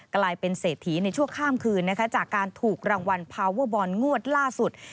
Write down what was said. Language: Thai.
กลายเป็นเศรษฐีในชั่วข้ามคืนนะคะจากการถูกรางวัลพาวเวอร์บอลงวดล่าสุด